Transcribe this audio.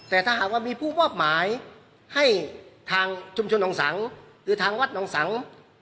แต่ถ้าหากว่ามีผู้มอบหมายให้ทางชุมชนหนองสังหรือทางวัดหนองสัง